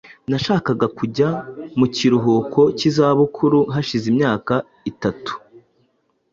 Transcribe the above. Nashakaga kujya mu kiruhuko cy'izabukuru hashize imyaka itatu.